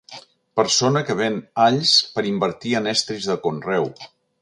Persona que ven alls per invertir en estris de conreu.